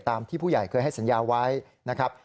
ที่ผู้ใหญ่เคยให้สัญญาไว้นะครับ